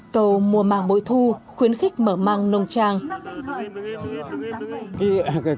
cầu mùa màng mỗi thu khuyến khích mở màng nông trang